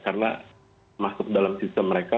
karena masuk dalam sistem mereka